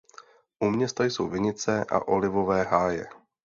U města jsou vinice a olivové háje.